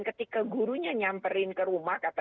ketika gurunya nyamperin ke rumah kata